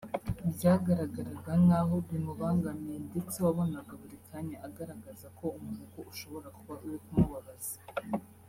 Byagaragaraga nk’aho bimubangamiye ndetse wabonaga buri kanya agaragaza ko umuhogo ushobora kuba uri kumubabaza